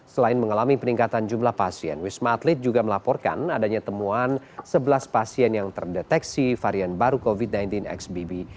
selain mengalami peningkatan jumlah pasien wisma atlet juga melaporkan adanya temuan sebelas pasien yang terdeteksi varian baru covid sembilan belas xbb